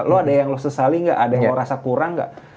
lo ada yang lo sesali nggak ada yang rasa kurang nggak